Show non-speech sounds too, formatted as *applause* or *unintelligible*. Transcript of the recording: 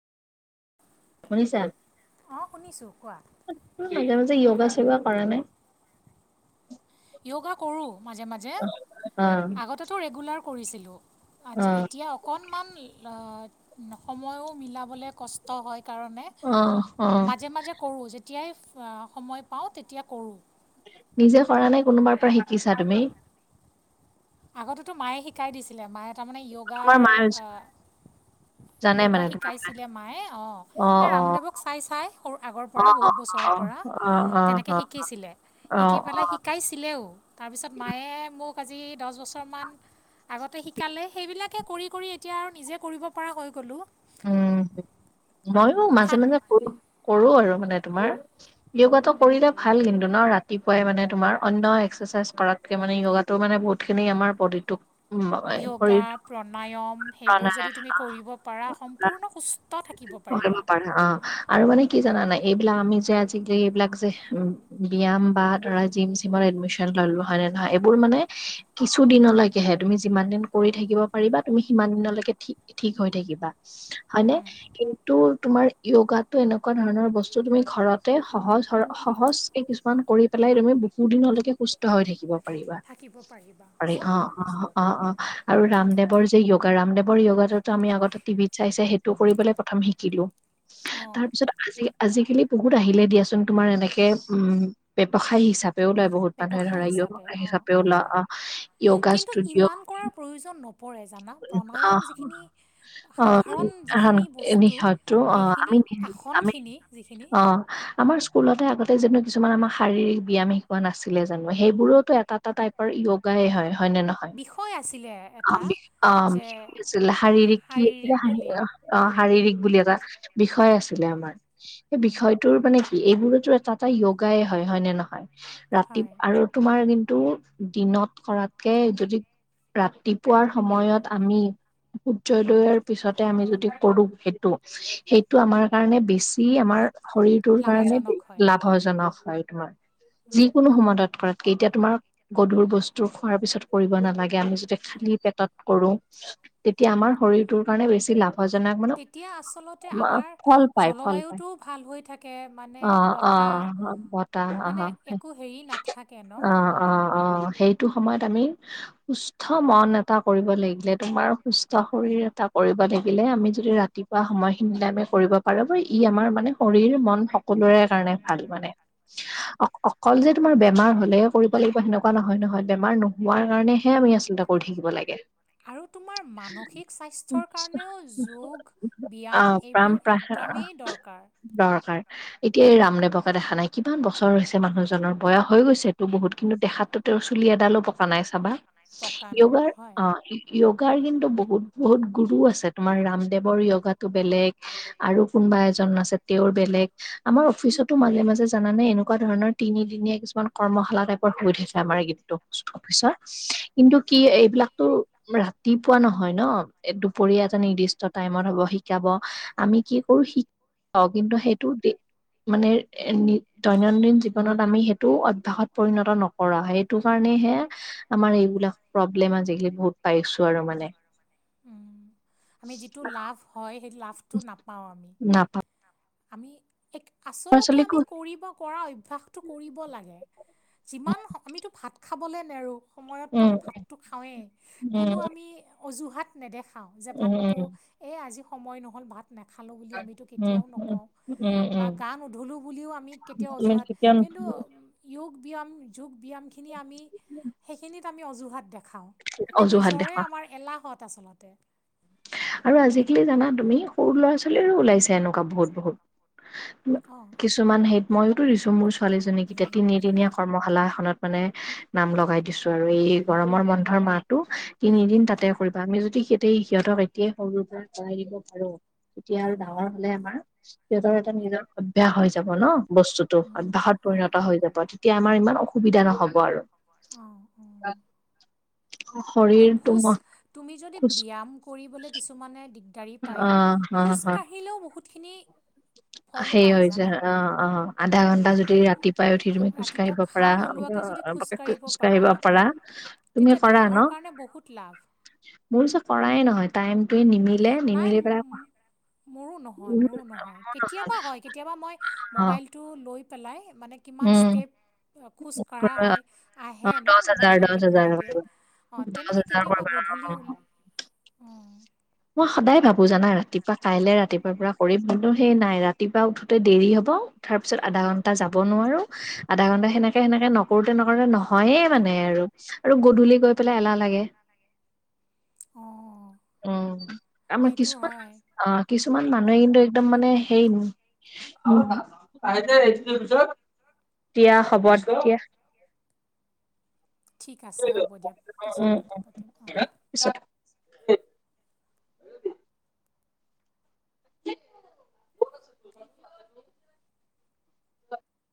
অ', শুনিছোঁ কোৱা। তুমি মাজে মাজে য়াগা চিয়গা কৰা নে? য়োগা কৰো মাজে মাজে। অ'। আগতেটো ৰেগুলাৰ কৰিছিলোঁ, অ আজি এতিয়া অকণমান অ', সময়ো মিলাবলৈ কষ্ট হয় কাৰণে। অ', অ'। মাজে মাজে কৰোঁ, যেতিয়াই সময় পাওঁ তেতিয়া কৰোঁ। নিজে কৰা নে, কোনোবাৰ পৰা শিকিছা তুমি? আগতেতো মায়ে শিকাই দিছিলে, মায়ে তাৰমানে তোমাৰ য়োগাৰ মায়ে আ জানে য়োগা মানে তোমাৰ শিকাইছিলে মায়ে, অ', এই ৰামদেৱক চাই চাই সৰু আগৰ অ অ পৰা, বহুত অ বছৰৰ পৰা, অ তেনেকে অ অ অ শিকিছিলে, শিকি অ পেলাই শিকাইছিলেও, তাৰপিছত মায়ে মোক আজি পাঁচ বছৰমান আগতে শিকালে, সেইবিলাকে কৰি কৰি এতিয়া আৰু নিজে কৰিব পৰা হৈ গ'লোঁ। উম, ময়ো মাজে হাত মাজে কৰোঁ, কৰোঁ আৰু মানে তোমাৰ। য়োগাটো কৰিলে ভাল কিন্তু ন, ৰাতিপুৱাই মানে তোমাৰ অন্য এক্সাৰচাইজ কৰাত মানে য়োগাতো মানে বহুত খিনি আমাৰ ব'ডিটোক উম য়োগা, শৰীৰটো প্ৰণায়ম সেইবোৰ প্ৰাণায়াম যদি তুমি কৰিব পাৰা বা সম্পূৰ্ণ সুস্থ থাকিব কৰিব পাৰিবা। পাৰা অ'। আৰু মানে কি জানা নাই, এইবিলাক আমি যে, আজিকালি এইবিলাক যে ব্যায়াম বা ধৰা জিম-চিমৰ এডমিচন ললো হয় নে নহয়, এইবোৰ মানে কিছু দিনলৈকেহে, তুমি যিমান দিন কৰি থাকিব পাৰিবা, তুমি সিমান দিনলৈকে ঠিক- ঠিক হৈ থাকিবা। হয় নে কিন্তু তোমাৰ য়োগাতো এনেকুৱা ধৰণৰ বস্তু, তুমি ঘৰতে সহজ স সহজ কেইদিন মান কৰি পেলাই তুমি বহু দিনলৈকে সুস্থ হৈ থাকিব পাৰিবা। থাকিব পাৰিবা অ' সঁচা অ' কথা কৈছা অ' অ' অ'। আৰু ৰামদেৱৰ যে য়োগা ৰামদেৱৰ য়োগাটো ত আমি আগতে টিভিত চাই চাই সেইটো কৰি পেলাই প্ৰথম শিকিলো, অঁ তাৰ পিছত আজি আজিকালি বহুত আহিলে দিয়াচোন, তোমাৰ এনেকে উম, ব্যৱসায় হিচা পেও বহুত মানুহে ব্যৱসায় ধৰা হিচাপে আহি অঁ অঁ আহ য়োগা কিন্তু ইমান ষ্টুডিঅ'। কৰাৰ প্ৰয়োজন নপৰে জানা প্ৰণায়াম অঁহ। যিখিনি সাধাৰণ অ' যিখিনি বস্তু নিশাটো অ' সেইখিনি আমি নি আমি আসনখিনি যিখিনি অ' অ' আমাৰ স্কুলতে আগতে যেনো কিছুমান আমাৰ শাৰীৰিক ব্যায়াম শিকোৱা নাছিলে জানো, সেইবোৰোটো এটা এটা আৰু য়োগাই হয়, হয় নে নহয়? বিষয় আছিলে অ' এটা কি যে আছিল শাৰীৰিক কি অ' শাৰীৰিক বুলি এটা বিষয় আছিলে আমাৰ। সেই উম, বিষয়টোৰ মানে কি, এইবোৰতো এটা এটা য়োগাই হয়, হয় নে নহয়? ৰাতি হয় আৰু তোমাৰ কিন্তু দিনত কৰাতকে যদি ৰাতি পুৱাৰ সময়ত আমি সূৰ্যোদয়ৰ পিছতে আমি যদি কৰো সেইটো, সেইটো আমাৰ কাৰণে বে ছি আমাৰ শৰীৰটোৰ কাৰণে লাভজনক হয় লাভজনক হয় তোমাৰ। উম, যিকোনো সমাধান কৰাত। এতিয়া তোমাৰ গধুৰ বস্তু খোৱাৰ পিছত কৰিব নালাগে, আমি যেতিয়া খালি পেটত কৰো। তেতিয়া আমাৰ শৰীৰটোৰ কাৰণে বেছি লাভজনক মানে, তেতিয়া আচলতে আমাৰ ফল পায় ফল পায়। জলবায়ুটোও ভাল হৈ থাকে মানে অঁ বতাহ অঁ বতা অঁ মানে একো হেৰি নাথাকে ন অঁ আহ, অঁ অঁ সেই টো সময়ত আমি, সুস্থ মন এটা কৰিব লাগিলে তোমাৰ সুস্থ শৰীৰ কৰিব থাকিলে, আমি যদি ৰাতিপুৱা সময়খিনি মিলাই আমি কৰিব পাৰো ই আমাৰ মানে শৰীৰ মন সকলোৰে কাৰণে ভাল মানে অ অ অকল যে তোমাৰ বেমাৰ হ'লেহে কৰিব লাগিব সেনেকুৱা নহয় নহয়, বেমাৰ নহোৱাৰ কাৰণেহে আমি আচলতে কৰিব থাকিব লাগে। আৰু তোমাৰ মানসিক স্বাস্থ্যৰ কাৰণেও যোগ, ব্যায়াম অ', প্ৰাণ এইবোৰ প্ৰাণ একদমেই দৰকাৰ। দৰকাৰ, এতিয়া এই ৰামদেৱকে দেখা নাই, কিমান বছৰ হৈছে মানুহজনৰ বয়স হৈ গৈছে টো বহুত কিন্তু দেখাতো তেওঁ চুলি এডালো পকা নাই চাবা পকা নাই য়োগাৰ অ। হয় য়োগাৰ কিন্তু বহুত বহুত গুৰু আছে। তোমাৰ ৰামদেৱৰ য়োগাটো বেলেগ। আৰু কোনোবা এজন আছে, তেওঁৰ বেলেগ। আমাৰ অফিচতো মাজে মাজে জানেনে এনেকুৱা ধৰণৰ তিনিদিনীয়া কিছুমান কৰ্মশালা টাইপৰ হৈ থাকে। আমাৰ এই টো অফিচত, কিন্তু কি এইবিলাকটো ৰাতিপুৱা নহয় ন। এ দুপৰীয়া এটা নিৰ্দিষ্ট টাইমত হব, শিকাব, আমি কি কৰো শি কাও কিন্তু সেইটো দিন মানে দৈনন্দিন জীৱনত আমি সেই টো অভ্যাসত পৰিণত নকৰাও সেইটো কাৰণেহে আমাৰ এইবিলাক প্ৰব্লেম আজিকালি বহুত পাইছো আৰু মানে। আমি যিটো লাভ হয়। সেই লাভটো নাপাওঁ আমি। নাপাওঁ আমি ল'ৰা আচলতে ছোৱালীকো আমি কৰিব পৰা অভ্যাস টো কৰিব লাগে। যিমান আমিতো, ভাত খাবলৈ নেৰোঁ। সময়ততো উম আমি ভাতটো খাওঁৱেই। উম কোনো আমি অজুহাত- নেদেখাওঁ, যে উম ভাতটো উম এই আজি সময় নহ'ল ভাত নেখালোঁ বুলি আমিতো উম কেতিয়াও নক- উম উম উম বা গা নোধোলোঁ বুলিও আমি কেতিয়াও তুমি অজুহাত, কেতিয়া কিন্তু- য়োগ ব্যায়াম, যোগ ব্যায়ামখিনি আমি সেইখিনিত আমি অজুহাত দেখ- খাওঁ এনেই অজুহাত নিজৰে দেখুৱা আমাৰ এলাহত আচলতে। আৰু আজিকালি জানা তুমি, সৰু ল'ৰা ছোৱালীও ওলাইছে এনো- কা বহুত বহুত, অঁ কিছুমান হেৰিত মইওটো দিছো মোৰ- ছোৱালীজনীক এতিয়া তিনিদিনীয়া- কৰ্মশালা এখনত মানে নাম লগাই দিছো আৰু। এই গৰমৰ বন্ধৰ মাহটো- তিনিদিন তাতে অঁ কৰিবা। আমি যদি হেতেই সিহঁতক- তেতিয়া সৰুৰ পৰা লৰাই দিব পাৰো। তেতিয়া আৰু ডাঙৰ হলে আমাৰ সিহঁতৰ- এতিয়া নিজৰ অভ্যাস হৈ যাব ন বস্তুটো, উম অভ্যাসত হয় পৰিণত হৈ যাব। তেতিয়া আমাৰ ইমান অসুবিধা নহব আৰু। অঁ অঁ আৰু শৰীৰটো খোজ। ম তুমি যদি খোজ ব্যায়াম- কৰিবলে কিছুমানে দিগদাৰী অ পায়, অ অ খোজকাঢ়িলেও বহুতখিনি- ফল সেই পায় হৈ যায়। জানা অঁ অঁ। আধা ঘন্টা যদি ৰাতিপুৱাই উঠি তুমি খোজ ৰাতিপুৱা কাঢ়িব পাৰা, ঘাম ওলোৱাকৈ যদি খোজকাঢ়িব খোজ কাঢ়িব পাৰা- তুমি তেতিয়া কৰা দেহৰ ন? কাৰণে বহুত লাভ। মোৰ পিছে কৰাই নহয়। টাইমটোৱে নিমিলে নাই নিমিলি পেলাই- মোৰো নহয় মোৰো নহয় কেতিয়াবা হয়, কেতিয়াবা মই অ' মোবাইলটো লৈ পেলাই মানে- কিমান উম, ষ্টেপ খোজ কঢ়া হয়, অ, আহে ন দহ হাজাৰ দহ মোবাইলত হাজাৰ দেখুৱাই দিয়ে। কৰিব, অঁ দহ তেনেকে হাজাৰ কেতিয়াবা কৰিবা অ'। গধূলি- অঁ মই সদায় ভাবো জানা ৰাতিপুৱা- কাইলে ৰাতিপুৱাৰ পৰা কৰিম। কিন্তু সেই নাই ৰাতিপুৱা উঠোতে দেৰি হব উঠাৰ পিছত আধা ঘণ্টা- তা যাব নোৱাৰোঁ। আধা ঘন্টা, সেনেকে সেনেকে নকৰোতে নকৰোতে নহয়ে মানে আৰু। আৰু গধূলি গৈ- পেলাই এলাহ লাগে। অঁ অ। উম' আমাৰ কিছুমান অঁ কিছুমান মানুহে কিন্তু একদম মানে হেৰি- দিয়া হ'ব, দিয়া। ঠিক আছে হ'ব দিয়া। পিছত উম, কথা পাতিম অঁ। পিছত। *unintelligible*